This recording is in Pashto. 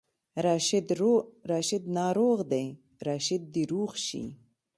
راشد ناروغ دی، راشد دې روغ شي